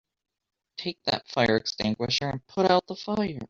Take that fire extinguisher and put out the fire!